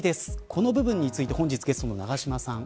この部分について本日ゲストの長嶋さん